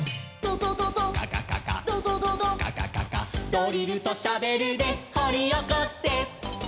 「ドリルとシャベルでほりおこせ」